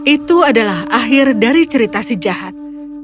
itu adalah akhir dari cerita si jahat